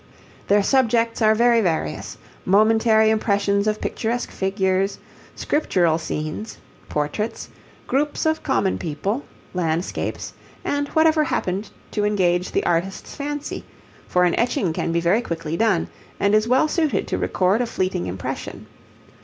Their subjects are very various momentary impressions of picturesque figures, Scriptural scenes, portraits, groups of common people, landscapes, and whatever happened to engage the artist's fancy, for an etching can be very quickly done, and is well suited to record a fleeting impression.